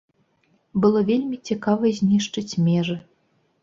Было вельмі цікава знішчыць межы.